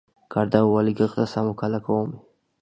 გარდაუალი გახდა სამოქალაქო ომი.